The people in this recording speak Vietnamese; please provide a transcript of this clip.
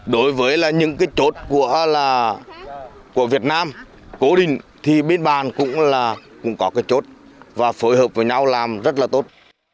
đối với những cái chốt của việt nam cố định thì biên bàn cũng là cũng có cái chốt và phối hợp với nhau làm rất là tốt